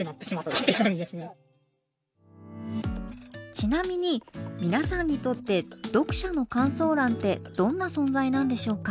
ちなみに皆さんにとって読者の感想欄ってどんな存在なんでしょうか？